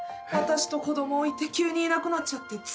私と子供置いて急にいなくなっちゃって。